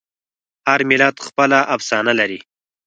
هر ملت خپله افسانه لري.